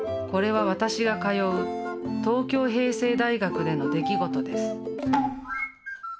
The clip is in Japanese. これは私が通う東京平成大学での出来事です。